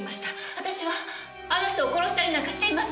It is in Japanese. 私はあの人を殺したりなんかしていません！